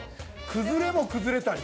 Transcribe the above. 崩れも崩れたり。